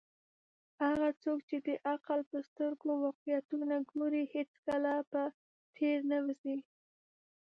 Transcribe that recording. هغه څوک چې د عقل په سترګو واقعیتونه ګوري، هیڅکله به تیر نه وزي.